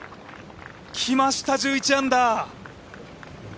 きました、１１アンダー。